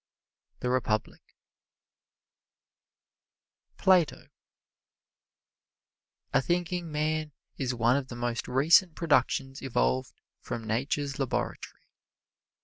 The Republic PLATO A thinking man is one of the most recent productions evolved from Nature's laboratory.